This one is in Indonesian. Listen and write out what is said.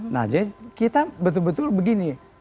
nah jadi kita betul betul begini